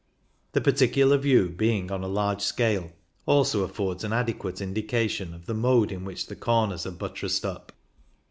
This particular view, being on a large scale, also affords an adequate indi* cation of the mode in which the corners are buttressed up.